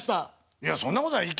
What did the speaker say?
いやそんなことない。